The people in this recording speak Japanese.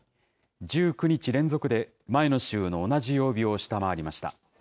１９日連続で前の週の同じ曜日を下回りました。